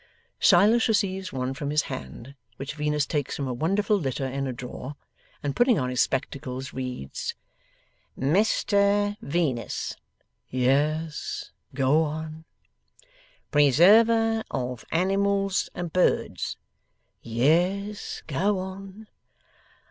Silas receives one from his hand, which Venus takes from a wonderful litter in a drawer, and putting on his spectacles, reads: '"Mr Venus,"' 'Yes. Go on.' '"Preserver of Animals and Birds,"' 'Yes. Go on.